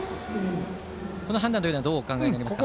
この判断はどうお考えになりますか？